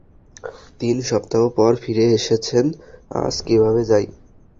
তিন সপ্তাহ পর ফিরে এসেছেন, আজ কীভাবে যাই?